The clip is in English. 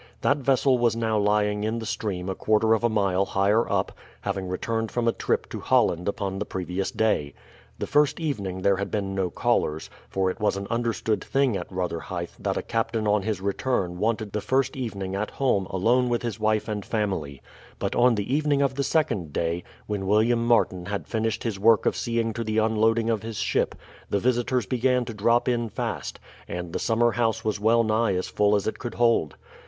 That vessel was now lying in the stream a quarter of a mile higher up, having returned from a trip to Holland upon the previous day. The first evening there had been no callers, for it was an understood thing at Rotherhithe that a captain on his return wanted the first evening at home alone with his wife and family; but on the evening of the second day, when William Martin had finished his work of seeing to the unloading of his ship, the visitors began to drop in fast, and the summer house was well nigh as full as it could hold.